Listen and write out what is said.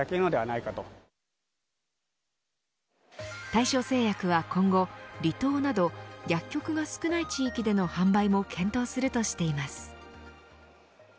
大正製薬は今後離島など薬局が少ない地域での販売も検討するとしています。